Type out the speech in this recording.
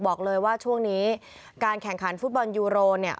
บอกเลยว่าช่วงนี้การแข่งขันฟุตบอลยูโรเนี่ย